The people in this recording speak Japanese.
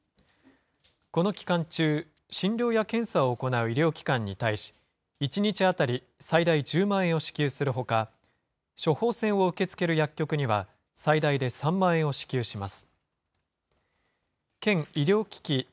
この期間中、診療や検査を行う医療機関に対し、１日当たり最大１０万円を支給するほか、処方箋を受け付ける薬局には最大で３万円を支給します。